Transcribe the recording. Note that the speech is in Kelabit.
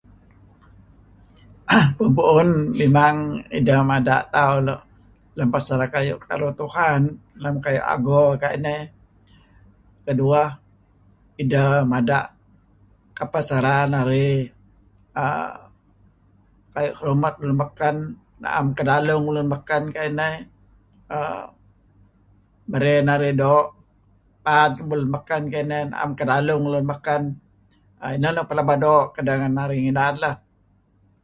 Pu'un-pu'un mimang ideh mada' tauh lem pasal kayu' karuh Tuhan, lem kayu' ago kayu' ineh. Kedueh, ideh mada' kapeh sara narih aaa... kayu' hormat lun beken, na'em kedaluh ngen lun beken kayu' ineh. Aaa...Merey narih doo' paad lemulun beken kayu' ineh na'em kedaluh ngen lemulun beken. Ineh nuk plaba doo' kedehngen narih ngilad leh.